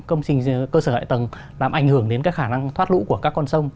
công trình cơ sở hại tầng làm ảnh hưởng đến các khả năng thoát lũ của các con sông